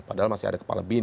padahal masih ada kepala bin